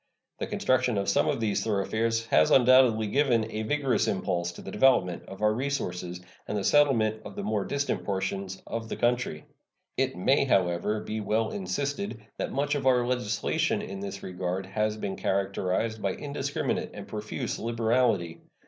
The construction of some of these thoroughfares has undoubtedly given a vigorous impulse to the development of our resources and the settlement of the more distant portions of the country. It may, however, be well insisted that much of our legislation in this regard has been characterized by indiscriminate and profuse liberality.